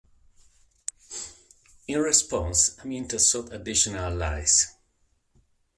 In response, Amyntas sought additional allies.